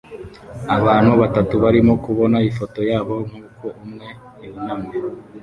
Abantu batatu barimo kubona ifoto yabo nkuko umwe yunamye